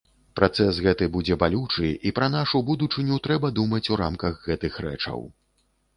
Працэс гэты будзе балючы і пра нашу будучыню трэба думаць у рамках гэтых рэчаў.